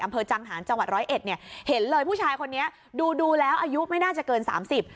อำเภอจังหารจังหวัดร้อยเอ็ดเนี่ยเห็นเลยผู้ชายคนนี้ดูดูแล้วอายุไม่น่าจะเกินสามสิบ